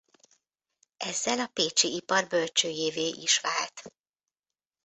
Ezzel a pécsi ipar bölcsőjévé is vált.